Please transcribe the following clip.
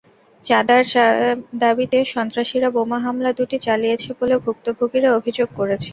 চাঁদার দাবিতে সন্ত্রাসীরা বোমা হামলা দুটি চালিয়েছে বলে ভুক্তভোগীরা অভিযোগ করেছেন।